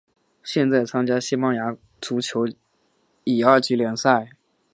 现在参加西班牙足球乙二级联赛。